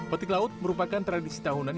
petik laut merupakan tradisi tahunan